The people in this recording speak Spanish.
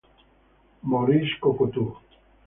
Maurice Couture.